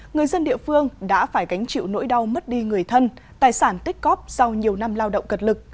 người dân địa phương đã phải gánh chịu nỗi đau mất đi người thân tài sản tích cóp sau nhiều năm lao động cực lực